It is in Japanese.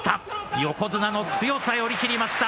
横綱の強さ、寄り切りました。